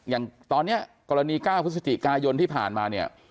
อย่างตอนนี้กรณี๙พฤศจิกายนที่ผ่านมาเนี่ย